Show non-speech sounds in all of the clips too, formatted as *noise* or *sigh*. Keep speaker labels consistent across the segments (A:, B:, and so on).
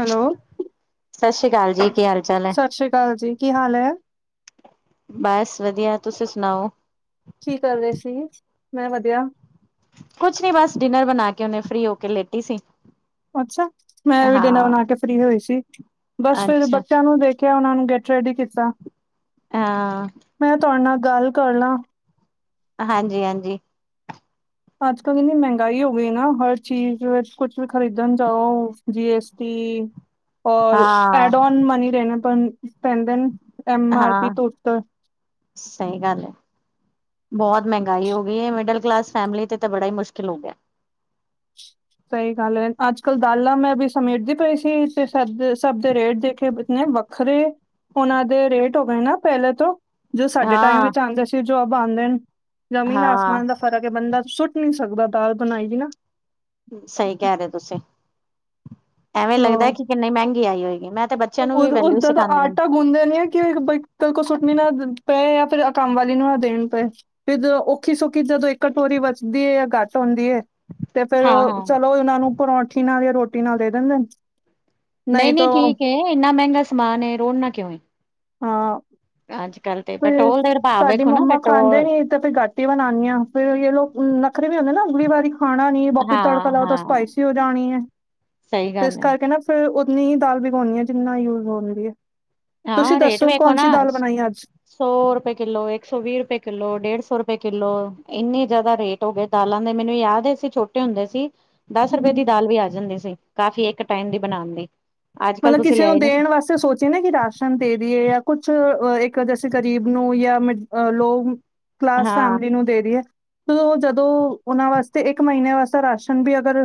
A: Hello?
B: ਸਤਿ ਸ਼੍ਰੀ ਅਕਾਲ ਜੀ ਕੀ ਹਾਲ। ਚਾਲ ਹੈ
A: ਸਤਿ ਸ੍ਰੀ ਅਕਾਲ ਜੀ ਕੀ ਹਾਲ ਹੈ।
B: ਬਸ ਵਧੀਆ ਤੁਸੀਂ ਸੁਣਾਓ?
A: ਕੀ ਕਰ ਰਹੇ ਸੀ ਮੈਂ ਵਧੀਆ?
B: ਕੁਛ ਨੀ ਬਸ ਡਿਨਰ ਬਣਾ ਕੇ ਹੁਣੇ ਫਰੀ ਹੋ ਕੇ ਲੇਟੀ ਸੀ।
A: ਅੱਛਾ ਮੈਂ ਵੀ
B: ਹਾਂ
A: ਡਿਨਰ ਬਣਾ ਕੇ ਫਰੀ ਹੋਈ ਸੀ। ਬਸ ਫੇਰ
B: ਅੱਛਾ
A: ਬੱਚਿਆਂ ਨੂੰ ਦੇਖਿਆ ਉਹਨਾਂ ਨੂੰ ਗੈਟ ਰੈਡੀ ਕੀਤਾ।
B: ਹਾਂ।
A: ਮੈਂ ਤੁਹਾਡੇ ਨਾਲ ਗੱਲ ਕਰ ਲਾਂ।
B: ਹਾਂਜੀ ਹਾਂਜੀ।
A: ਅੱਜ ਕੱਲ ਇੰਨੀ ਮਹਿੰਗਾਈ ਹੋ ਗਈ ਨਾ, ਹਰ ਚੀਜ਼ ਵਿੱਚ ਕੁਛ ਵੀ ਖਰੀਦਣ ਜਾਓ ਜੀ *unintelligible* ਔਰ
B: ਹਾਂ
A: ਐਡੋਨ ਮਨੀ ਦੇਣੇ ਤੋਨ ਤੈਨ ਦੈਨ ਐਮ ਆਰ ਪੀ
B: ਹਾਂ
A: ਤੋ ੳਪਰ
B: ਸਹੀ ਗੱਲ ਹੈ। ਬਹੁਤ ਮਹਿੰਗਾਈ ਹੋ ਗਈ ਹੈ, ਮਿਡਲ ਕਲਾਸ ਫੈਮਿਲੀ ਤੇ ਤਾਂ ਬੜਾ ਹੀ ਮੁਸ਼ਕਿਲ ਹੋ ਗਿਆ।
A: ਸਹੀ ਗੱਲ ਹੈ ਅੱਜ ਕੱਲ ਦਾਲਾਂ ਮੈਂ ਵੀ ਸਮੇਟਦੀ ਪਈ ਸੀ ਤੇ ਸਭ ਸਭ ਦੇ ਰੇਟ ਦੇਖੇ ਇਤਨੇ। ਵੱਖਰੇ ਉਹਨਾਂ ਦੇ ਰੇਟ ਹੋ ਗਏ ਨਾ ਪਹਿਲੇ ਤੋਂ। ਜੋ ਸਾਡੇ ਟਾਈਮ
B: ਹਾਂ
A: ਵਿੱਚ ਆਉਂਦੇ ਸੀ ਜੋਬ ਆਉਂਦੇ ਜਮੀਨ
B: ਹਾਂ
A: ਆਸਮਾਨ ਦਾ। ਪਰ ਐ ਕੇ ਬੰਦਾ ਸੁੱਟ ਨੀ ਸਕਦਾ ਦਾਲ ਬਣਾਈ ਦੀ ਨਾ।
B: ਸਹੀ ਕਹਿ ਰਹੇ ਤੁਸੀਂ। ਐਵੇਂ ਲੱਗਦਾ
A: ਉਹ
B: ਕੀ ਕਿੰਨੀ ਮਹਿੰਗੀ ਆਈ ਹੋਏਗੀ। ਮੈਂ ਤੇ ਬੱਚਿਆਂ ਨੂੰ ਵੀ ਵੈਲਿਊ ਸਿਖਾਂਦੀ ਰ
A: ਬੁੰਨਦੇ ਨੀ ਆ ਕਿ ਬ ਕੋਈ ਸੁੱਟਣੀ ਨਾ ਪਏ ਜਾਂ ਫਿਰ ਕੰਮ ਵਾਲੀ ਨੂੰ ਨਾ ਦੇਣ ਪਏ। ਤੇ ਦੋ ਔਖੀ- ਸੌਖੀ ਜਦੋਂ ਇੱਕ ਕਟੋਰੀ ਬਚਦੀ ਹੈ, ਯਾ ਘੱਟ ਆਉਂਦੀ ਹੈ। ਤੇ ਫੇਰ
B: ਹਾਂ ਹਾਂ
A: ਚਲੋ ਇਹਨਾਂ ਨੂੰ ਪਰੌਠੀ ਨਾਲ ਜਾਂ ਰੋਟੀ ਨਾਲ ਦੇ ਦਿੰਦੇ।
B: ਨਹੀਂ -ਨਹੀਂ ਠੀਕ ਐ, ਇੰਨਾ ਮਹਿੰਗਾ ਸਮਾਨ ਐ, ਰੋੜ੍ਹਨਾ ਕਿਉਂ ਐ
A: ਹਾਂ।
B: ਅੱਜ ਕੱਲ ਤੇ।
A: ਉਹੀ
B: ਪੈਟਰੋਲ ਦੇ ਭਾਵ
A: ਤੁਹਾਡੀ
B: ਵੇਖੋ ਨਾ
A: ਮੰਮਾ
B: ਪੈਟਰੋਲ
A: ਖਾਂਦੇ ਨੀ ਤੇ ਫੇਰ ਘੱਟ ਹੀ ਬਣਾਉਂਣੀ ਹਾਂ, ਫੇਰ ਇਹ ਲੋਕ ਨਖਰੇ ਵੀ ਹੁੰਦੇ ਨਾ ਅਗਲੀ ਵਾਰੀ ਖਾਣਾ ਨੀ ਵਾਪਿਸ ਤੜਕਾ
B: ਹਾਂ
A: ਲਾਓ ਤਾਂ
B: ਹਾਂ
A: ਸਪਾਈਸੀ ਹੋ ਜਾਣੀ ਹੈ।
B: ਸਹੀ
A: ਤੇ ਇਸ
B: ਗੱਲ ਹੈ
A: ਕਰਕੇ ਨਾ ਫੇਰ ਉਨੀ ਹੀ ਦਾਲ ਵਿਗਾਉਣੀ ਆ, ਜਿੰਨਾ ਯੂਜ ਹੁੰਦੀ ਹੈ। ਤੁਸੀਂ
B: ਹਾਂ ਰੇਟ
A: ਦੱਸੋ,
B: ਵੇਖੋ ਨਾ
A: ਕੌਣਸੀ ਦਾਲ ਬਣਾਈ ਅੱਜ।
B: ਸੌ ਰੁਪਏ ਕਿੱਲੋ, ਇੱਕ ਸੌ ਵੀਹ ਰੁਪਏ ਕਿੱਲੋ, ਡੇਢ ਸੌ ਰੁਪਏ ਕਿੱਲੋ ਇੰਨੇ ਜ਼ਿਆਦਾ ਰੇਟ। ਟੋ ਗਏ ਦਾਲਾਂ ਦੇ ਮੈਨੂੰ ਯਾਦ ਹੈ ਅਸੀ ਛੋਟੇ ਹੁੰਦੇ ਸੀ। ਦਸ ਰੁਪਏ
A: ਹਮ
B: ਦੀ ਦਾਲ ਵੀ ਆ ਜਾਂਦੀ ਸੀ, ਕਾਫ਼ੀ ਇੱਕ ਟਾਈਮ ਦੀ ਬਣਾਉਣ ਦੀ। ਅੱਜ ਕੱਲ
A: ਮਤਲਬ,
B: ਤੁਸੀਂ
A: ਕਿਸੇ ਨੂੰ
B: ਲਿਆਏ ਨੀ
A: ਦੇਣ ਵਾਸ ਸੋਚਏ ਨਾ ਕਿ ਰਾਸ਼ਨ ਦੇ ਦੀਈਏ ਜਾਂ ਕੁਛ ਇੱਕ ਜੈਸੇ ਗ਼ਰੀਬ ਨੂੰ ਜਾਂ ਮੀਡ ਲੋਕ ਕਲਾਸ
B: ਹਾਂ
A: ਫੈਮਿਲੀ ਨੂੰ ਦੇ ਦਿਏ। ਜਦੋਂ ਉਹਨਾਂ ਵਾਸਤੇ ਇੱਕ ਮਹੀਨੇ ਵਾਸਤੇ ਰਾਸ਼ਨ ਵੀ ਅਗਰ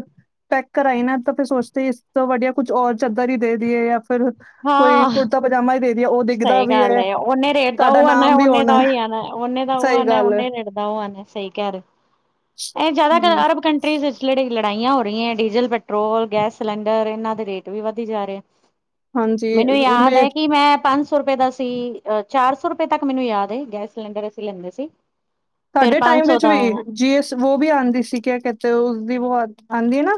A: ਪੈਕ ਕਰਾਈ ਨਾ, ਤਾਂ ਫਿਰ ਸੋਚਤੇ ਇਸ ਤੋ ਵਧੀਆ ਕੁਛ ਔਰ ਚਦਰ ਹੀ ਦੇ ਦਿਏ ਯਾ ਫਿਰ ਕੋਈ
B: ਹਾਂ---ਹ
A: ਕੁੜਤਾ ਪਜਾਮਾ ਹੀ ਦੇ ਦੀ ਆ ਉਹ ਦਿਖਦਾ
B: ਸਹੀ
A: ਵੀ
B: ਗੱਲ ਹੈ, ਓਨੇ ਰੇਟ ਦਾ
A: ਸਾਡਾ
B: ਉਹ ਆ ਨਾ,
A: ਨਾਮ
B: ਉਹ
A: ਵੀ
B: ਨੇ
A: ਹੋਣਾ
B: ਦਾ ਹੀ
A: ਹੈ।
B: ਆਣਾ। ਉਨਾਂ ਦਾ ਉਹ
A: ਸਹੀ
B: ਆਉਣਾ,
A: ਗੱਲ ਹੈ,
B: ਉਹਨੇ ਰੇਟ ਦਾ ਉਹ ਆਉਣਾ, ਸਹੀ ਕਹਿ ਰਹੋ ਹੋ, ਇਹ ਜ਼ਿਆਦਾਤਰ
A: ਹੂੰ,
B: ਅਰਬ ਕੰਟਰੀਜ਼। ਲੜੇ *unintelligible* ਲੜਾਈਆਂ ਹੋ ਰਈਐ ਡੀਜ਼ਲ, ਪੈਟਰੋਲ, ਗੈਸ ਸਿਲੰਡਰ ਏਨਾਂ ਦੇ ਰੇਟ ਵੀ ਵੱਧੀ ਜਾ ਰੇ
A: ਹਾਂਜੀ
B: ਮੈਨੂੰ ਯਾਦ
A: ਮੇ
B: ਹੈ ਕਿ ਮੈਂ ਪੰਜ ਸੌ ਰੁਪਏ ਦਾ ਸੀ, ਅਹ ਚਾਰ ਸੌ ਰੁਪਏ ਤੱਕ ਮੈਨੂੰ ਯਾਦ ਏ, ਗੈਸ ਸਿਲੰਡਰ ਅਸੀਂ ਲੈਂਦੇ ਸੀ ਫੇਰ
A: ਸਾਡੇ
B: ਪੰਜ
A: ਟਾਈਮ
B: ਸੌ
A: ਵਿੱਚ
B: ਦਾ
A: ਵੀ ਜੀ ਅਸ ਵੋ ਵੀ ਆਉਂਦੀ ਸੀ, ਕਿਆ ਕਹਤੇ ਹੈ ਉਸਦੀ ੳਹ ਆਉਂਦੀ‌ ਹੈ ਨਾ।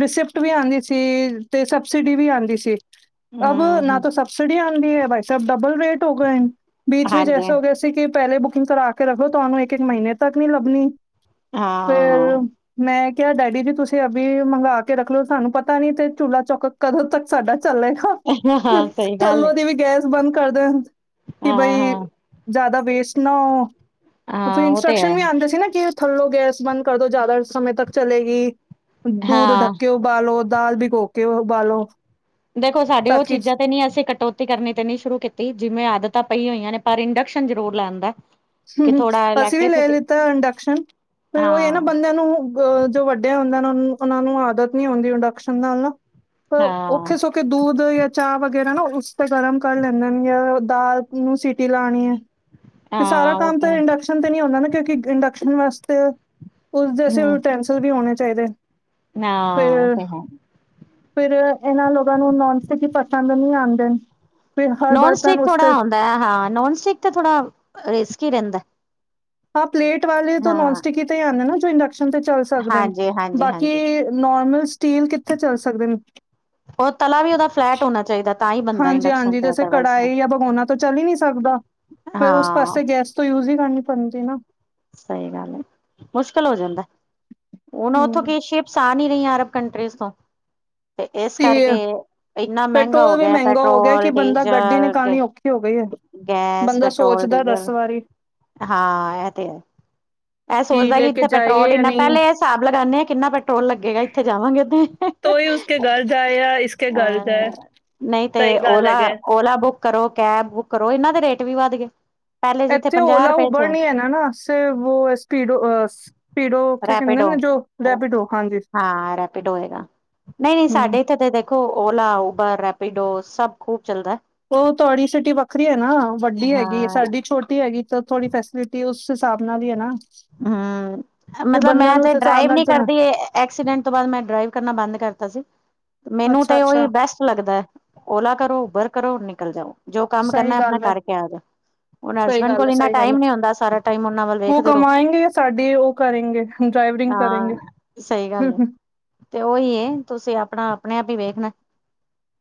A: ਰਿਸਿਪਟ ਵੀ ਆਉਂਦੀ ਸੀ, ਤੇ ਸਬਸਿਡੀ ਵੀ ਆਉਂਦੀ ਸੀ। ਅਬ ਨਾ
B: ਹੂੰ
A: ਤਾਂ ਸਬਸਿਡੀ ਆਂਦੀ ਏ, ਬਾਈ ਸਾਬ ਡਬਲ ਰੇਟ ਹੋ ਗਏਨ, ਬੀਚ ਵਿੱਚ
B: ਹਾਂਜੀ
A: ਐਸਾ ਹੋ ਗਿਆ। ਪਤਾ ਕਿ ਪਹਿਲੇ ਬੁਕਿੰਗ ਕਰਾ ਕੇ ਰੱਖੋ, ਤੁਹਾਨੂੰ ਇੱਕ, ਇੱਕ ਮਹੀਨੇ ਤੱਕ ਨੀ ਲੱਭਣੀ,
B: ਹਾਂ
A: ਫੇਰ। ਮੈਂ ਕਿ ਆ ਡੈਡੀ ਜੀ ਤੁਸੀਂ ਅਬੀ ਮੰਗਾ ਕੇ ਰੱਖ ਲੋ ਸਾਨੂੰ ਪਤਾ ਨੀ ਤੇ ਚੁੱਲਾ ਚੁਕ ਕਦੋਂ ਤੱਕ ਸਾਡਾ ਚੱਲੇ ਗਾ। ਹੰ
B: ਹਾਂ
A: -ਹੰ,
B: ਸਹੀ ਗੱਲ ਹੈ
A: ਥੱਲੋਂ ਦੀ ਵੀ ਗੈਸ ਤੇ ਬੰਦ ਕਰਦੇ, ਕਿ
B: ਹਾਂ
A: ਬਈ
B: ਹਾਂ
A: ਜ਼ਿਆਦਾ ਵੇਸਟ ਨਾ ਹੋ। ਉਹ
B: ਹਾਂ ਤੇ
A: ਇੰਸਟਰਕਸ਼ਨ
B: ਹੈ
A: ਵੀ ਆਉਂਦੇ ਸੀ ਨਾ ਕਿ ਥੱਲੋ ਗੈਸ ਬੰਦ ਕਰਦੋ, ਜਿਆਦਾ ਸਮੇਂ ਤੱਕ ਚਲੇਗੀ, ਦੂਧ
B: ਹਾਂ
A: ਢੱਕੇ। ਪਾਲੋ ਦਾਲ ਭੀਗੋ ਕੇ ਉਬਾਲੋ।
B: ਦੇਖੋ ਸਾਡੇ ਉਹ ਚੀਜ਼ਾਂ ਤੇ ਨੀ ਅਸੀਂ ਕੱਟੋ ਕਰਨੀ ਤੇ ਨਹੀਂ ਸ਼ੁਰੂ ਕੀਤੀ, ਜਿਵੇਂ ਆਦਤਾਂ ਪਈ ਹੋਈਆਂ ਨੇ, ਪਰ ਇੰਡਕਸ਼ਨ ਜ਼ਰੂਰ ਲੈਣ ਦਾ।
A: ਹੂੰ-ਹੂੰ ਅਸੀਂ ਵੀ ਲੈ ਲਿੱਤਾ ਇੰਡਕਸ਼ਨ ਫੇਰ ਉਹੀ ਹੈ ਨਾ
B: ਹਾਂ
A: ਬੰਦਿਆਂ ਨੂੰ ਅ ਜੋ ਵੱਡੇ ਹੁੰਦੇ ਉਹਨਾਂ ਨੂੰ ਆਦਤ ਨੀ ਹੁੰਦੀ ਇੰਡਕਸ਼ਨ ਨਾਲ ਨਾ,
B: ਹਾਂ
A: ਔਖੇ ਕ ਦੂਧ ਜਾਂ ਚਾਹ ਵਗੈਰਾ ਨਾ ਉਸ ਤੇ ਗਰਮ ਕਰ ਲੈਂਦੇ ਨੇ ਜਾਂ ਦਾਲ ਨੂੰ ਸੀਿਟੀ ਲਾਨੀ ਐ ਤੇ ਸਾਰਾ
B: ਹਾਂ ਉਹ
A: ਕੰਮ ਤਾਂ ਇੰਡਕਸ਼ਨ ਤੇ ਨੀ ਹੁੰਦਾ ਨਾ, ਕਿਉਂਕਿ ਇੰਡਕਸ਼ਨ ਵਾਸਤੇ, ਉਸਦੇ
B: ਹੂੰ
A: ਜੈਸੇ। ਵੀ ਹੋਣੇ ਚਾਹੀਦੇ,
B: ਹਾਂ ਉਹ
A: ਫਿਰ।
B: ਤੇ ਹੈ
A: ਫੇਰ ਇਹਨਾਂ ਲੋਕਾਂ ਨੂੰ ਨੋਨ ਸਟਿਕ ਹੀ ਪਸੰਦ ਨਹੀਂ ਆਉਂਦੇ ਫੇਰ ਹਰ ਬਰਤਨ ਉਸਦੇ
B: ਮੈਂ ਹਾਂ ਨੋਨ ਸਟਿਕ ਤਾਂ ਥੋੜਾ, ਰਿਸਕੀ ਰਹਿੰਦਾ।
A: ਹਾਂ ਪਲੇਟ ਵਾਲੇ ਤੋਂ ਨੋਂ
B: ਹਾਂ,
A: ਸਟਿਕ ਹੀ ਤੇ ਹੀ ਆਉਂਦੇ ਨਾ, ਜੋ ਇੰਕ। ਤੇ ਚੱਲ ਸਕਦੇ ਹੁਣ। ਬਾਕੀ,
B: ਹਾਂਜੀ-ਹਾਂਜੀ-ਹਾਂਜੀ।
A: ਨੋਰਮਲ ਸਟੀਲ ਕਿੱਥੇ ਚੱਲ ਸਕਦੇ ਹਨ।
B: ਉਹ ਤਲਾ ਵੀ ਉਹਦਾ ਫਲੈਟ ਹੋਣਾ ਚਾਹੀਦਾ ਤਾਂ ਹੀ ਬਣਦਾ
A: ਹਾਂਜੀ
B: ਇੰਡਕਸ਼ਨ
A: -ਹਾਂਜੀ
B: ਤੇ
A: ਜੈਸੇ
B: ਅਦਰਵਾਈਜ਼
A: ਕੜਾਹੀ
B: ਨਹੀਂ।
A: ਜਾਂ। ਹੋਣਾ ਤਾਂ ਚੱਲ ਹੀ ਨੀ ਸਕਦਾ, ਫਿਰ ਉਸ
B: ਹਾਂ।
A: ਪਾਸੇ ਗੈਸ ਤਾਂ ਯੂਜ ਹੀ ਕਰਨੀ ਪੈਂਦੀ ਨਾ
B: ਸਹੀ ਗੱਲ ਹੈ, ਮੁਸ਼ਕਿਲ ਹੋ ਜਾਂਦਾ, ਉਹ ਨਾ ਉੱਥੋਂ
A: ਹੂੰ
B: ਕੀ ਸ਼ ਸ ਆ ਨਹੀਂ ਰਹੀਆਂ ਅਰਬ ਕੰਟਰੀਜ਼ ਤੋਂ ਤੇ ਇਸ ਕਰਕੇ, ਇੰਨਾ ਮਹਿੰਗਾ ਹੋ
A: ਪੈਟਰੋਲ ਵੀ
B: ਗਿਆ
A: ਮਹਿੰਗਾ ਹੋ ਗਿਆ ਕਿ
B: ਪੈਟਰੋਲ,
A: ਬੰਦਾ ਗੱਡੀ
B: ਡੀਜ਼ਲ
A: ਨਿਕਾਲਣੀ ਔਖੀ ਹੋ ਗਈ ਹੈ
B: ਗੈਸ,
A: ਬੰਦਾ
B: ਪੈਟਰੋਲ,
A: ਸੋਚਦਾ ਦਸ
B: ਡੀਜ਼ਲ,
A: ਵਾਰੀ
B: ਹਾਂ ਇਹ ਤੇ ਹੈ ਇਹ ਸੋਚਦਾ ਕਿ
A: ਲੈ ਕੇ
B: ਇੱਥੇ ਪੈਟਰੋਲ,
A: ਜਾਈਏ ਜਾਂ
B: ਇੰਨਾ
A: ਨਹੀਂ।
B: ਪਹਿਲੇ ਇਹ ਹਿਸਾਬ ਲਗਾਉਂਦੇ ਹਾਂ ਕਿੰਨਾ ਪੈਟਰੋਲ ਲੱਗੇਗਾ ਇੱਥੇ ਜਾਵਾਂਗੇ
A: ਤੋਂ ਹੀ ਉਸਕੇ ਘਰ ਜਾਏ ਜਾਂ ਇਸਕੇ ਘਰ ਜਾਏ
B: ਅਹ, ਨਹੀਂ ਤੇ
A: ਸਹੀ ਗੱਲ
B: ਓਲਾ,
A: ਹੈਗੇ।
B: ਓਲਾ ਬੁੱਕ ਕਰੋ ਕੈਬ, ਬੁੱਕ ਕਰੋ ਇਹਨਾਂ ਦੇ ਰੇਟ ਵੀ ਵੱਧ ਗਏ ਪਹਿਲੇ ਜਿੱਥੇ
A: ਇੱਥੇ
B: ਪੰਜਾਹ
A: ਓਲਾ
B: ਰੁਪਏ
A: ਉਭਰ
B: ਚ
A: ਨਹੀਂ ਹੈਗਾ ਨਾ, ਸਿਰਫ ਸਪੀਡ ਫਿਰ ਓ, ਕਹਿੰਦੇ
B: ਰੈਪੀਡੋ
A: ਨਾ ਜੋ, ਲੈਪੀਡੋ ਹਾਂਜੀ
B: ਹਾਂ ਰੈਪੀਡੋ ਹੋਏਗਾ ਨਹੀਂ- ਨਹੀਂ ਸਾਡੇ ਇੱਥੇ ਤਾਂ ਦੇਖੋ ਓਲਾ, ਉਬਰ, ਰੈਪੀਡੋ ਸਭ ਖੂਬ ਚੱਲਦਾ
A: ਉਹ ਤੁਹਾਡੀ ਸਿਟੀ ਵੱਖਰੀ ਹੈ ਨਾ, ਵੱਡੀ ਹੈਗੀ,
B: ਹਾਂ
A: ਸਾਡੀ ਛੋਟੀ ਹੈਗੀ। ਥੋੜ੍ਹੀ ਫੈਸਿਲਿਟੀ, ਉਸ ਹਿਸਾਬ ਨਾਲ ਹੀ ਹੈ ਨਾ
B: ਹਮ
A: ਤੇ
B: ਮਤਲਬ
A: ਬੰਦਾ
B: ਮੈਂ
A: ਨੂੰ
B: ਤੇ
A: ਉਸ ਹਿਸਾਬ
B: ਡਰਾਈਵ ਵੀ
A: ਨਾਲ
B: ਨਹੀਂ
A: ਚਲਾ
B: ਕਰਦੀ, ਐਕਸੀਡੈਂਟ ਤੋਂ ਬਾਅਦ ਮੈਂ ਡਰਾਈਵ ਕਰਨਾ ਬੰਦ ਕਰਤਾ ਸੀ। ਮੈਨੂੰ
A: ਅੱਛਾ
B: ਤੇ ਉਹੀ
A: ਅੱਛਾ
B: ਬੈਸਟ ਲੱਗਦਾ, ਓਲਾ ਕਰੋ, ਉਬਰ ਕਰੋ ਨਿਕਲ ਜਾਓ ਜੋ ਕੰਮ
A: ਸਹੀ
B: ਕਰਨਾ, ਆਪਣਾ
A: ਗੱਲ ਹੈ
B: ਕਰਕੇ ਆਜੋ ਹੁਣ ਹਸਬੈਂਡ
A: ਗੱਲ
B: ਕੋਲ ਇੰਨਾ
A: ਗੱਲ
B: ਟਾਈਮ ਨੀ ਹੁੰਦਾ, ਸਾਰਾ ਟਾਈਮ ਉਹਨਾਂ ਵੱਲ ਵੇਖਦੇ ਰਹੋ
A: ਸਾਡੀ ਉਹ ਕਰੇਂਗੇ, ਡਰਾਈਵਰਿੰਗ ਕਰੇਂਗੇ
B: ਹਾਂ ਸਹੀ
A: ਹਮ
B: ਗੱਲ ਹੈ
A: ਹ
B: ਤੇ ਉਹੀ, ਤੁਸੀਂ ਆਪਣਾ ਆਪਣੇ ਆਪ ਹੀ ਵੇਖਣਾ,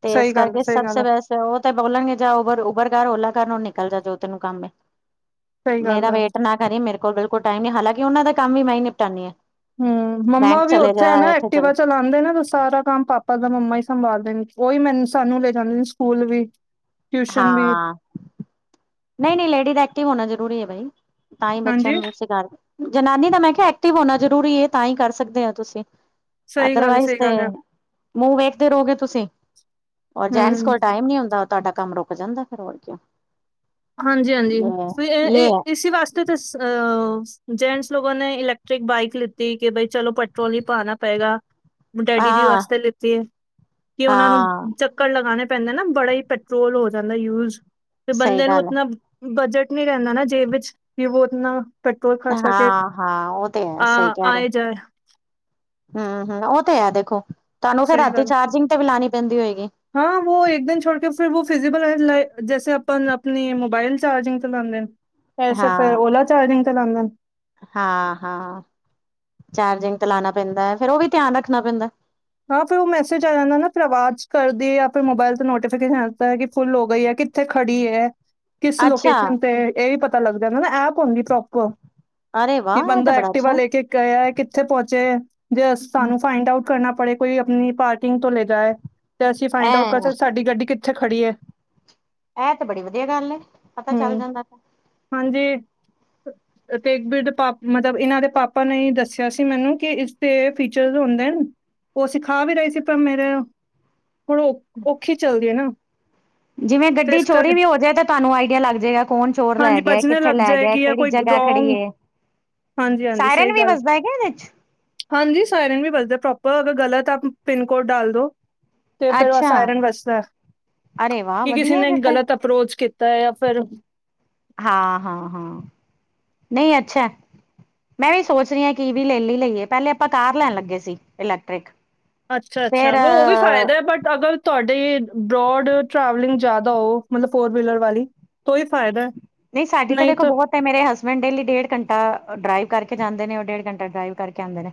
B: ਤੇ ਇਸ
A: ਗੱਲ
B: ਕਰਕੇ ਸਭ
A: ਗੱਲ
B: ਸੇ ਬੈਸਟ ਤੇ ਉਹ ਤੇ ਬੋਲਣਗੇ, ਜਾ ਉਬਰ- ਉਭਰ ਕਰ ਓਲਾ ਕਰ ਨੂੰ ਨਿਕਲ ਜਾ ਜੋ ਤੈਨੂੰ ਕੰਮ ਹੈ
A: ਗੱਲ
B: ਮੇਰਾ ਵੇਟ ਨਾ ਕਰੀ, ਮੇਰੇ ਕੋਲ ਬਿਲਕੁਲ ਟਾਈਮ ਨੀ, ਹਾਲਾਂਕਿ ਉਹਨਾਂ ਦਾ ਕੰਮ ਵੀ ਮੈਂ ਹੀ ਨਿਪਟਾਂਦੀ ਹਾਂ
A: ਹਮ, ਮੰਮਾ ਵੀ ਉੱਥੇ ਹੈ ਨਾ,
B: ਚਲੇ
A: ਐਕਟੀਵਾ ਚਲਾਉਂਦੇ ਨੇ ਤੇ ਸਾਰਾ ਕੰਮ ਪਾਪਾ ਦਾ ਮੰਮਾ ਹੀ ਸੰਭਾਲਦੇ ਨੇ, ਉਹੀ ਮੈਨੂੰ, ਸਾਨੂੰ ਲੈ ਜਾਂਦੇ ਨੇ ਸਕੂਲ ਵੀ ਟਿਊਸ਼ਨ ਵੀ।
B: ਨਹੀਂ ਨਹੀਂ ਲੇਡੀਜ਼ ਐਕਟਿਵ ਹੋਣਾ ਜ਼ਰੂਰੀ ਹੈ ਬਾਈ ਤਾਂ ਹੀ ਬੱਚਿਆਂ
A: ਹਾਂਜੀ
B: ਨੂੰ ਸਕਾਰ ਜਨਾਨੀ ਦਾ ਮੈਂ ਕਿਹਾ ਐਕਟਿਵ ਹੋਣਾ ਜ਼ਰੂਰੀ ਤਾਂ ਹੀ ਕਰ ਸਕਦੇ ਹੋ ਤੁਸੀਂ।
A: ਸਹੀ
B: ਅਦਰ
A: ਗੱਲ ਐ,
B: ਵਾਈਸ
A: ਸਹੀ
B: ਤੇ
A: ਗੱਲ ਐ।
B: ਮੂੰਹ ਵੇਖਦੇ ਰਹੋਗੇ ਤੁਸੀਂ ਔਰ ਜੈਂਟਸ
A: ਹੂੰ,
B: ਕੋਲ ਟਾਈਮ ਨੀ ਹੁੰਦਾ। ਤੁਹਾਡਾ ਕੰਮ ਰੁਕ ਜਾਂਦਾ ਫਿਰ ਹੋਰ ਕੀ ਆ।
A: ਹਾਂਜੀ ਹਾਂਜੀ ਇਸ ਵਾਸਤੇ ਤਾਂ ਅਹ ਜੈਂਟਸ ਲੋਕਾਂ ਨੇ ਇਲੈਕਟ੍ਰਿਕ ਬਾਈਕ ਲਿੱਤੀ ਕਿ ਬਈ ਚਲੋ ਪ *unintelligible* ਪਾਣਾ ਪਏਗਾ ਡੈਡੀ ਜੀ ਵਾਸਤੇ ਲਿੱਤੀ ਕਿ ਉਹਨਾਂ ਨੂੰ
B: ਹਾਂ-ਹਾਂ
A: ਚੱਕਰ ਲਗਾਣੇ ਪੈਂਦੇ ਨਾ, ਬੜਾ ਹੀ ਪੈਟਰੋਲ ਹੋ ਜਾਂਦਾ ਯੂਜ ਤੇ
B: ਸਹੀ
A: ਬੰਦੇ ਨੂੰ।
B: ਗੱਲ ਹੈ
A: ਉਤਨਾ ਬਜਟ ਨੀ ਰਹਿੰਦਾ ਨਾ ਜੇ ਵਿੱਚ ਕੀ ਉਹ ਉਤਨਾ ਪੈਟਰੋਲ ਖ਼ਰਚ ਕਰਕੇ
B: ਹਾਂ-ਹਾਂ ਉਹ ਤੇ ਹੈ ਸਹੀ
A: ਅ
B: ਕਹਿ ਰਹੇ
A: ਆਏ ਜਾਏ।
B: ਹੂੰ ਹੂੰ, ਉਹ ਤੇ ਹੈ ਦੇਖੋ ਤੁਹਾਨੂੰ ਫਿਰ ਰਾਤੀ ਚਾਰਜਿੰਗ ਤੇ ਵੀ ਲਾਣੀ ਪੈਂਦੀ ਹੋਏਗੀ।
A: ਹਾਂ ਉਹ ਇੱਕ ਦਿਨ ਛੋੜ ਕੇ ਫਿਰ ਫਿਜ਼ਲ ਜੈਸੇ ਆਪ ਆਪਣੀ ਮੋਬਾਈਲ ਚਾਰਜਿੰਗ ਚ ਲਾਂਦੇ। ਵੈਸੇ ਫਿਰ
B: ਹਾਂ
A: ਓਲਾ ਚਾਰਜਿੰਗ ਤੇ ਲਾਂਦੇ ਨੇ।
B: ਹਾਂ ਹਾਂ ਚਾਰਜਿੰਗ ਤੇ ਲਾਣਾ ਪੈਂਦਾ ਹੈ। ਫੇਰ ਉਹ ਵੀ ਧਿਆਨ ਰੱਖਣਾ ਪੈਂਦਾ।
A: ਹਾਂ ਫਿਰ ਉਹ ਮੈਸੇਜ ਆ ਜਾਂਦਾ ਨਾ ਫਿਰ ਆਵਾਜ਼ ਕਰਦੀ ਫਿਰ ਮੋਬਾਇਲ ਤੇ ਨੋਟੀਫਿਕੇਸ਼ਨ ਕਿ ਫੁੱਲ ਹੋ ਗਈ ਹੈ ਕਿ। ਕਿੱਥੇ ਖੜੀ ਹੈ ਕਿਸ
B: ਅੱਛਾ
A: ਲੋਕੇਸ਼ਨ ਤੇ ਇਹ ਵੀ ਪਤਾ ਲੱਗਦਾ ਨਾ ਐਪ ਹੁੰਦੀ ਪ੍ਰੋਪਰ।
B: ਅਰੇ
A: ਕਿ
B: ਵਾਹ ਇਹ
A: ਬੰਦਾ
B: ਤਾਂ ਬੜਾ
A: ਐਕਟਿਵ
B: ਅੱਛਾ
A: ਲੈ ਕੇ। ਗਿਆ ਕਿੱਥੇ ਪਹੁੰਚੇ ਜੇ ਸਹਾਨੂੰ ਫਾਈੰਡ ਆਊਟ ਕਰਨਾ ਪੜੇ। ਕੋਈ ਆਪਣੀ ਪਾਰਕਿੰਗ ਤੋਂ ਲੈ ਜਾਏ ਤੇ ਅਸੀਂ
B: ਐ
A: ਫਾਈੰਡ ਆਊਟ ਕਰ ਸਕਦੇ ਸਾਡੀ ਗੱਡੀ ਕਿੱਥੇ ਖੜੀ ਹੈ।
B: ਇਹ ਤੇ ਬੜੀ ਵਧੀਆ ਗੱਲ ਐ, ਪਤਾ ਚੱਲ
A: ਹੂੰ,
B: ਜਾਂਦਾ।
A: ਹਾਂਜੀ। ਤੇ ਮਤਲਬ ਇਹਨਾਂ ਦੇ ਪਾਪਾ ਨੇ ਦੱਸਿਆ ਸੀ ਮੈਨੂੰ, ਕਿ ਇਸਦੇ ਫੀਚਰ ਹੁੰਦੇ ਨੇ। ਉਹ ਸਿਖਾ ਵੀ ਰਹੀ ਸੀ, ਪਰ ਮੇਰੇ ਹੁਣ ਔਖੀ ਚੱਲਦੀ ਹੈ ਨਾ।
B: ਜਿਵੇਂ
A: ਤੇ
B: ਗੱਡੀ
A: ਇਸ ਕਰਕੇ
B: ਚੋਰੀ ਵੀ ਹੋ ਜਾਏ ਤਾਂ ਤੁਹਾਨੂੰ ਆਈਡੀਆ ਲੱਗ ਜਾਏਗਾ ਕੌਣ ਚੋਰ ਲੈ
A: ਹਾਂਜੀ
B: ਗਿਆ
A: ਬਜਣੇ
B: ਕਿੱਥੇ
A: ਲੱਗ
B: ਲੈ ਗਿਆ
A: ਜਾਏਗੀ ਜਾਂ
B: ਕਿਹੜੀ
A: ਕੋਈ
B: ਜਗ੍ਹਾ ਖੜੀ
A: ਰੋਂਗ
B: ਹੈ
A: ਹਾਂਜੀ ਹਾਂਜੀ
B: ਸਾਇਾਰਨ
A: ਸਹੀ
B: ਵੀ
A: ਗੱਲ
B: ਵਸਦਾ ਹੈਗਾ ਇਹਦੇ ਚ।
A: ਹਾਂਜੀ ਸਾਈਰਨ ਵੀ ਵਜਦਾ ਪ੍ਰੋਪਰ ਅਗਰ ਗਲਤ ਆ ਪਿੰਨ ਕੋਡ ਡਾਲ ਦੋ। ਤੇ ਫੇਰ ਅ
B: ਅੱਛਾ
A: ਸਾਇਰਨ ਵੱਜਦਾ
B: ਅਰੇ ਵਾਹ
A: ਕਿ ਕਿਸੇ
B: ਵਧੀਆ
A: ਨੇ
B: ਫਿਰ ਤੇ
A: ਗ਼ਲਤ ਅਪਰੋਚ ਕੀਤਾ ਜਾਂ ਫਿਰ
B: ਹਾਂ ਹਾਂ ਹਾਂ ਨਹੀਂ ਅੱਛਾ। ਮੈਂ ਵੀ ਸੋਚ ਰਹੀ ਹਾਂ ਕਿ ਵੀ ਲੈ ਲ ਲਈਏ ਪਹਿਲੇ ਆਪਾਂ ਤਾਰ ਲੈਣ ਲੱਗੇ ਸੀ ਇਲੈਕਟ੍ਰਿਕ।
A: ਅੱਛਾ
B: ਫੇਰ
A: ਅੱਛਾ ਬਟ ਉਹ ਵੀ ਫਾਇਦਾ ਹੈ ਬਟ ਅਗਰ ਤੁਹਾਡੇ ਬਰੋਡ ਟਰੈਵਲਿੰਗ ਜਿਆਦਾ ਹੋ ਮਤਲਬ ਫੋਰ ਵੀਲਰ ਵਾਲੀ ਤੋਂ ਹੀ ਫਾਇਦਾ।
B: ਨਹੀਂ, ਸਾਡੀ ਤਾਂ ਦੇਖੋ ਬਹੁਤ ਤੇ ਮੇਰੇ ਹਸਬੈਂਡ ਡੇਲੀ ਡੇਢ ਘੰਟਾ ਡਰਾਈਵ ਕਰਕੇ ਜਾਂਦੇ ਨੇ ਔਰ ਡੇਢ ਘੰਟਾ ਡਰਾਈਵ ਕਰਕੇ ਆਂਦੇ ਨੇ।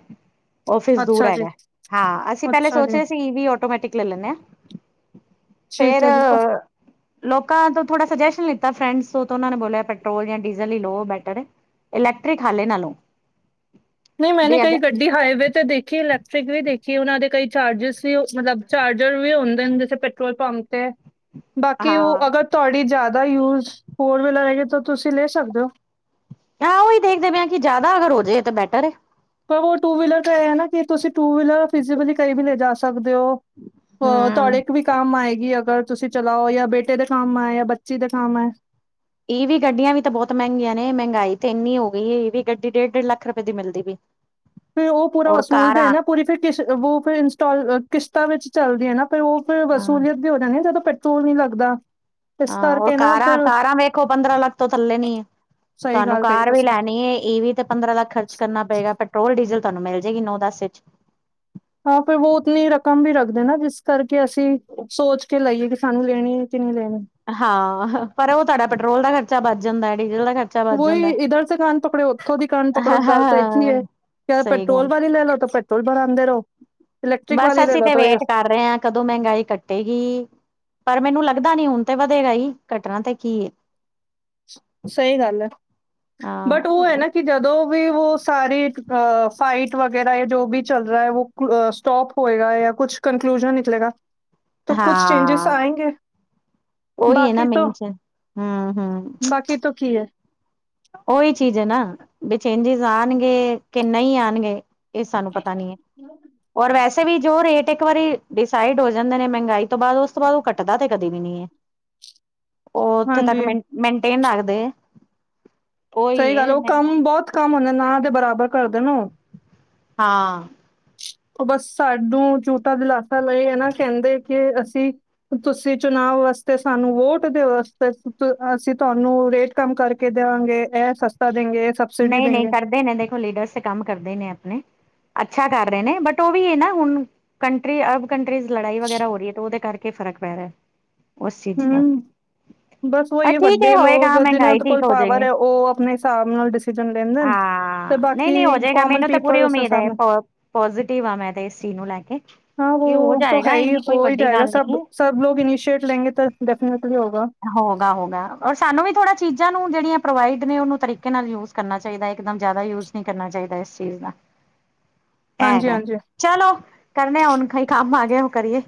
B: ਓਫਿਸ ਦੂਰ
A: ਅੱਛਾ ਜੀ
B: ਹੈਗਾ, ਹਾਂ ਅਸੀਂ ਪਹਿਲੇ
A: ਅੱਛਾ
B: ਸੋਚ
A: ਜੀ,
B: ਰਹੇ ਅ ਈ ਵੀ ਆਟੋਮੈਟਿਕ ਲੈ ਲੈਂਦੇ ਹਾਂ। ਫੇਰ
A: ਠੀਕ ਹੈ ਜੀ, ਅ,
B: ਲੋਕਾਂ ਤੋਂ ਥੋੜਾ ਸੁਜੈਸ਼ਨ ਲਿੱਤਾ ਫਰੈਂਡਸ ਉਹਨਾਂ ਨੇ ਬੋਲਿਆ ਪੈਟਰੋਲ ਜਾਂ ਡੀਜ਼ਲ ਹੀ ਲਓ ਬੈਟਰ ਇਲੈਕਟ੍ਰਿਕ ਹਾਲੇ ਨਾ ਲੌ।
A: ਨਹੀਂ ਮੈਂ ਕਈ ਗੱ ਗੱਡੀ ਹਾਈਵੇ ਤੇ ਦੇਖੀਏ ਇਲੈਕਟ੍ਰਿਕ ਵੀ ਦੇਖੀਏ ਉਹਨਾਂ ਦੇ ਕਈ ਚਾਰਜਿਸ ਵੀ ਮਤਲਬ ਚਾਰਜਰ ਵੀ ਹੁੰਦੇ ਜਿੱਥੇ ਪੈਟਰੋਲ ਪੰਪ ਤੇ ਬਾਕੀ ਉਹ
B: ਹਾਂ
A: ਅਗਰ ਤੁਹਾਡੀ ਜ਼ਿਆਦਾ ਯੂਜ ਫੋਰ ਵੀਲਰ ਹੈਗੇ ਤਾਂ ਤੁਸੀਂ ਲੈ ਸਕਦੇ ਹੋ।
B: ਆ ਉਹੀ ਦੇਖਦੇ ਪ ਹ ਕਿ ਜਿਆਦਾ ਅਗਰ ਹੋ ਜਾਵੇ ਤਾਂ ਬੈਟਰ ਹੈ।
A: ਪਰ ਉਹ ਟੂ ਵੀਲਰ ਤਾਂ ਇਹ ਹੈ ਨਾ ਕਿ ਤੁਸੀਂ ਟੂ ਵੀਲਰ ਫਿਲੀ ਕਈ ਵੀ ਲੈ ਜਾ ਸਕਦੇ ਹੋ। ਹ
B: ਹਮ
A: ਤੁਹਾਡੇ ਇੱਕ ਵੀ ਕੰਮ ਆਏਗੀ ਅਗਰ ਤੁਸੀਂ ਚਲਾਓ ਜਾਂ ਬੇਟੇ ਦੇ ਕੰਮ ਹੈ ਜਾਂ ਬੱਚੀ ਦੇ ਕੰਮ ਹੈ।
B: ਇਹ ਵੀ ਗੱਡੀਆਂ ਵੀ ਤਾਂ ਬਹੁਤ ਮਹਿੰਗੀਆਂ ਨੇ ਮਹਿੰਗਾਈ ਤੇ ਇੰਨੀ ਹੋ ਗਈ ਹੈ ਇਹ ਵੀ ਗੱਡੀ ਡੇਢ ਡੇਢ ਲੱਖ ਰੁਪਏ ਦੀ ਮਿਲਦੀ ਵੀ।
A: ਫਿਰ ਉਹ ਪੂਰਾ ਵਸੂਲ ਦੇ ਨਾ ਪੂਰੀ ਫਿਰਸ਼ਿਰ ਇੰਸਟ ਤਾਂ ਵਿੱਚ ਚੱਲਦੀ ਹੈ। ਨਾ ਫਿਰ ਉਹ ਵਸੂਲੀਅਤ ਵੀ ਹੋ ਜਾਣੀ ਜਦੋਂ ਪੈਟਰੋਲ ਨੀ ਲੱਗਦਾ। ਇਸ
B: ਹਾਂ ਹੋਰ
A: ਕਰਕੇ ਨਾ
B: ਕਾਰਾਂ
A: ਫਿਰ
B: ਕਾਰਾਂ ਵੇਖੋ ਪੰਦਰਾਂ ਲੱਖ ਤੋਂ ਥੱਲੇ ਨੀ ਹੈ।
A: ਸਹੀ
B: ਤੁਹਾਨੂੰ
A: ਗੱਲ ਕਹੀ
B: ਕਾਰ ਵੀ
A: ਤੁਸੀਂ
B: ਲੈਣੀ ਇਹ ਵੀ ਤੇ ਪੰਦਰਾਂ ਲੱਖ ਖਰਚ ਕਰਨਾ ਪਏਗਾ, ਪੈਟਰੋਲ ਡੀਜ਼ਲ ਤੁਹਾਨੂੰ ਮਿਲ ਜਾਏਗੀ ਨੌ ਦਸ ਵਿੱਚ।
A: ਹਾਂ ਪਰ ਉਹ ਉਤਨੀ ਰਕਮ ਵੀ ਰੱਖਦੇ ਨਾ ਜਿਸ ਕਰਕੇ ਅਸੀਂ ਸੋਚ ਕੇ ਲਾਈਏ ਕਿ ਸਾਨੂੰ ਲੈਣੀ ਹੈ ਕਿ ਨਹੀਂ ਲੈਣੀ
B: ਹਾਂ ਪਰ ਉਹ ਤੁਹਾਡਾ ਪੈਟਰੋਲ ਦਾ ਖਰਚਾ ਵੱਧ ਜਾਂਦਾ ਹੈ ਡੀਜ਼ਲ ਦਾ ਖਰਚਾ। ਬਚ
A: ਵਹੀ
B: ਜਾਂਦਾ।
A: ਇਧਰ ਦੇ ਕਨ ਪਕੜੇ ਉੱਥੋਂ ਦੀ ਕਨ ਪਕੜੋ ਗੱਲ ਤਾਂ ਇ ਹੀ ਹੈ।
B: ਸਹੀ
A: ਪੈਟਰੋਲ
B: ਗੱਲ
A: ਵਾਲੀ ਲੈ ਲਓ ਤਾਂ ਪੈਟਰੋਲ ਭਰਾਦੇ ਰਹੋ। ਇਲੈਕਟ੍ਰਿਕ
B: ਬਸ
A: ਵਾਲੀ ਲੈ
B: ਅਸੀਂ
A: ਲਓ
B: ਤੇ
A: ਤਾਂ ਇਹ
B: ਵੇਟ ਕਰ ਰਹੇ ਹਾਂ ਕਦੋਂ ਮਹਿੰਗਾਈ ਕੱਟੇਗੀ। ਪਰ ਮੈਨੂੰ ਲੱਗਦਾ ਨੀ ਹੁਣ ਤੇ ਵਧੇਗਾ ਹੀ ਘਟਨਾ ਤੇ ਕੀ।
A: ਸਹੀ ਗੱਲ ਐ ਬਟ ਉਹ ਐ
B: ਹਾਂ
A: ਨਾ। ਕਿ ਜਦੋਂ ਵੀ ਉਹ ਸਾਰੀ ਫਾਈਟ ਵਗੈਰਾ ਜੋ ਵੀ ਚੱਲ ਰਿਹਾ ਹੈ। ਸਟੋਪ ਹੋਏਗਾ ਜਾਂ ਕੁਛ ਕੰਨਕਲੂਜਨ ਨਿਕਲੇਗਾ ਤਾਂ ਕੁੱਛ ਚੇਂਜਿਸ ਆਏ ਗੇ।
B: ਓਹੀ ਨਾ ਮੇਨ ਚ, ਹੂੰ -ਹੂੰ
A: ਬਾਕੀ ਤੋਂ ਕੀ ਹੈ।
B: ਉਹੀ ਚੀਜ਼ ਹੈ ਨਾ ਵੀ ਚੇਂਜਿਸ ਆਣਗੇ ਕਿ ਨਹੀਂ ਆਣਗੇ। ਇਹ ਸਾਨੂੰ ਪਤਾ ਨੀ ਹੈ। ਔਰ ਵੈਸੇ ਵੀ ਜੋ ਰੇਟ ਇੱਕ ਵਾਰੀ ਡਿਸਾਈਡ ਹੋ ਜਾਂਦੇ ਨੇ ਮਹਿੰਗਾਈ ਤੋਂ ਬਾਅਦ ਉਸ ਉਸ ਤੋਂ ਬਾਅਦ ਉਹ ਕੱਟਦਾ ਤੇ ਕਦੇ ਵੀ ਨੀ ਹੈ। ਉਹ ਉੱਥੇ ਤੱਕ
A: ਹਾਂਜੀ
B: ਮੇਨਟੇਨ ਰੱਖਦੇ ਏ।
A: ਸਹੀ ਗੱਲ ਉਹ ਕੰਮ ਬਹੁਤ ਕੰਮ ਹੁੰਦੇ ਨਾ ਤੇ ਬਰਾਬਰ ਕਰਦੇ ਨੇ ਉਹ
B: ਹਾਂ,
A: ਉਹ ਬਸ ਸਾਨੂੰ ਝੂਠਾ ਦਿਲਾਸਾ ਲਏ ਇਹ ਨਾ ਕਹਿੰਦੇ ਕਿ ਅਸੀਂ ਤੁਸੀਂ ਚੁਣਾਵ ਵਾਸਤੇ ਸਾਨੂੰ ਵੋਟ ਦੇ ਵਾਸਤੇ ਅਸੀਂ ਤੁਹਾਨੂੰ ਰੇਟ ਕੰਮ ਕਰਕੇ ਦੇਵਾਂਗੇ ਇਹ ਸਸਤਾ ਦੇਂਗੇ ਸ
B: ਨਈ ਨਈ ਕਰਦੇ ਨੇ ਦੇਖੋ ਲੀਡਰਸ ਤੇ ਕੰਮ ਕਰਦੇ ਈ ਨੇ ਆਪਣੇ ਅੱਛਾ ਕਰ ਰਹੇ ਨੇ ਬਟ ਉਹ ਵੀ ਇਹ ਨਾ ਹੁਣ ਕੰਟਰੀ ਅਰਬ ਕੰਟਰੀਜ਼ ਲੜਾਈ ਵਗੈਰਾ ਹੋ ਰੀ ਹੈ ਤੇ ਉਹਦੇ ਕਰਕੇ ਫ਼ਰਕ ਪੈ ਰਿਹਾ। ਉਸ ਚੀਜ਼
A: ਹੂੰ,
B: ਦਾ
A: ਬਸ
B: ਪਰ
A: ਉਹੀ ਹੈ
B: ਠੀਕ
A: ਵੱਡੇ ਲੋਕ
B: ਹੋਏਗਾ
A: ਜਿਨਾਂ
B: ਮਹਿੰਗਾਈ
A: ਕੋਲ
B: ਠੀਕ ਹੋ
A: ਪਾਵਰ
B: ਜਾਏਗੀ
A: ਹੈ ਉਹ ਆਪਣੇ ਹਿਸਾਬ ਨਾਲ ਡਿਸੀਜ਼ਨ ਲੈਂਦੇ ਨੇ ਤੇ
B: ਹਾਂ ਨਈ-ਨਈ
A: ਬਾਕੀ
B: ਹੋਜੇਗਾ
A: ਕੋਮਨ
B: ਮੈਨੂੰ ਤਾਂ ਪੂਰੀ
A: ਪੀਪਲ ਉਸ
B: ਉਮੀਦ
A: ਹਿਸਾਬ
B: ਏ
A: ਨਾਲ
B: ਪ ਪੋਜ਼ਟਿਵ ਆ ਮੈਂ ਤੇ ਇਸ ਚੀਜ਼ ਨੂੰ ਲੈ ਕੇ।
A: ਹਾਂ
B: ਕਿ ਹੋ
A: ਉਹ ਤਾਂ ਹੈ
B: ਜਾਏਗਾ
A: ਹੀ
B: ਇੰਨੀ
A: ਹੋ
B: ਕੋਈ
A: ਹੀ
B: ਵੱਡੀ
A: ਜਾਏਗਾ
B: ਗੱਲ
A: ਸਭ
B: ਨਹੀਂ ਹੈ
A: ਸਭ ਲੋਕ ਇਨੀਸ਼ੀਏਟ ਲੈਂਗੇ ਤਾਂ ਡੈਫਿਨੇਟਲੀ ਹੋਗਾ
B: ਹੋਗਾ, ਹੋਗਾ ਔਰ ਸਾਨੂੰ ਵੀ ਥੋੜਾ ਚੀਜ਼ਾਂ ਨੂੰ ਜਿਹੜੀਆਂ ਪ੍ਰੋਵਾਈਡ ਨੇ ਉਨੂੰ ਤਰੀਕੇ ਨਾਲ ਯੂਜ ਕਰਨਾ ਚਾਹੀਦਾ ਇੱਕਦਮ ਜਿਆਦਾ ਯੂਜ ਨੀ ਕਰਨਾ ਚਾਹੀਦਾ ਇਸ ਚੀਜ਼ ਦਾ
A: *inaudible*
B: ਏ ਹੈਗਾ
A: ਹਾਂਜੀ
B: ਚਲੋ ਕਰਨੇ ਹੁਣ ਕਈ ਕੰਮ ਆ ਗਿਆ ਓ ਕਰੀਏ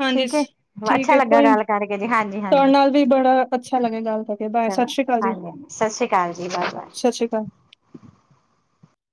A: ਹਾਂਜੀ,
B: ਠੀਕ ਏ,
A: ਠੀਕ
B: ਅੱਛਾ
A: ਹੈ
B: ਲੱਗਾ
A: ਕੋਈ ਨੀ
B: ਗੱਲ ਕਰਕੇ ਜੀ ਹਾਂਜੀ,
A: ਤੁਹਾਡੇ
B: ਹਾਂਜੀ
A: ਨਾਲ ਵੀ ਬੜਾ ਅੱਛਾ ਲੱਗੇ ਆ ਗੱਲ ਕਾਰਕੇ ਬਾਏ ਸਤਿ
B: ਚਲੋ
A: ਸ਼੍ਰੀ ਕਾਲ ਜੀ
B: ਹਾਂਜੀ ਹਾਂਜੀ ਸਤਿ ਸ੍ਰੀ ਅਕਾਲ ਜੀ ਬਾਏ ਬਾਏ
A: ਸਤਿ ਸ਼੍ਰੀ ਕਾਲ।